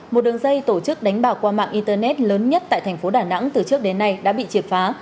một đường dây tổ chức đánh bào qua mạng internet lớn nhất tại thành phố đà nẵng từ trước đến nay đã bị triệt phá